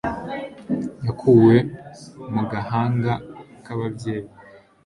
Yakuwe mu gahanga k'ababyeyi